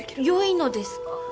良いのですか？